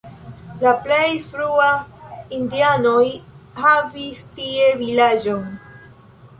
La plej frue indianoj havis tie vilaĝon.